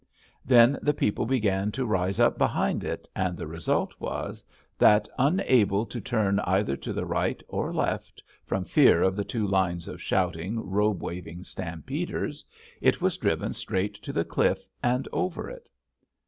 Then the people began to rise up behind it, and the result was that, unable to turn either to the right or left, from fear of the two lines of shouting, robe waving stampeders, it was driven straight to the cliff and over it.